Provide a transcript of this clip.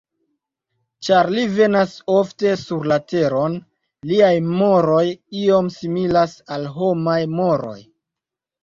Ĉar li venas ofte sur la Teron, liaj moroj iom similas al homaj moroj.